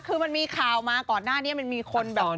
คือมันมีข่าวมาก่อนหน้านี้มันมีคนแบบ